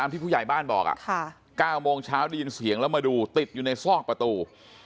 ที่ผู้ใหญ่บ้านบอก๙โมงเช้าได้ยินเสียงแล้วมาดูติดอยู่ในซอกประตู